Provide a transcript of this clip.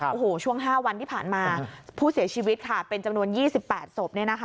โอ้โหช่วง๕วันที่ผ่านมาผู้เสียชีวิตค่ะเป็นจำนวน๒๘ศพ